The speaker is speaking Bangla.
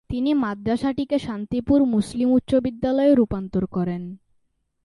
তিনি মাদ্রাসাটিকে শান্তিপুর মুসলিম উচ্চ বিদ্যালয়ে রূপান্তর করেন।